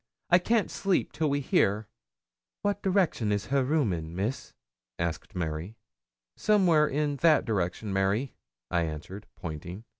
I can't sleep till we hear.' 'What direction is her room in, Miss?' asked Mary. 'Somewhere in that direction, Mary,' I answered, pointing.